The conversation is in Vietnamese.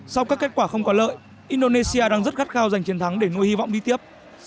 sau các kết quả không có lợi indonesia đang rất khát khao giành chiến thắng để nuôi hy vọng đi tiếp